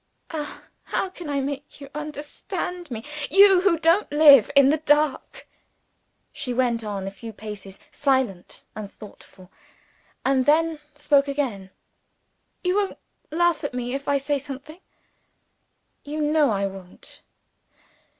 Ah, how can I make you understand me, you who don't live in the dark?" She went on a few paces, silent and thoughtful and then spoke again. "You won't laugh at me, if I say something?" "You know I won't."